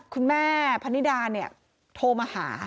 คุณแม่พนิดาเนี่ยโทรมาหา